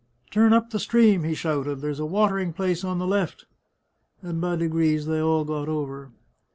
" Turn up the stream," he shouted ;" there's a watering place on the left !" and by degrees they all got over.